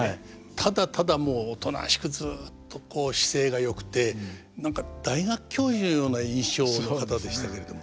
ただただもうおとなしくずっとこう姿勢がよくて何か大学教授のような印象の方でしたけれども。